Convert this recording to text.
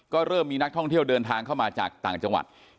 ก็เริ่มมีนักท่องเที่ยวเดินทางเข้ามาจากต่างจังหวัด